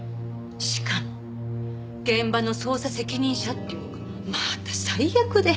しかも現場の捜査責任者っていうのがまた最悪で。